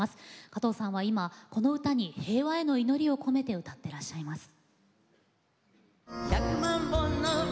加藤さんは今この歌に平和への祈りを込めて歌ってらっしゃいます。